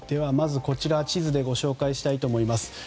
まず、地図でご紹介したいと思います。